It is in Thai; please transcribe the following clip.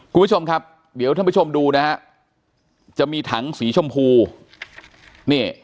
คุณผู้ชมครับเดี๋ยวท่านผู้ชมดูนะฮะจะมีถังสีชมพูนี่